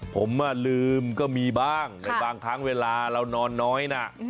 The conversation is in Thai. ผมลืมก็มีบ้างในบางครั้งเวลาเรานอนน้อยนะ